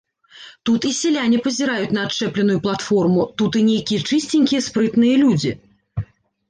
Тут і сяляне пазіраюць на адчэпленую платформу, тут і нейкія чысценькія спрытныя людзі.